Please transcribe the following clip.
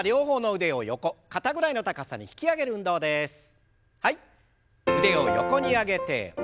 腕を横に上げて戻して。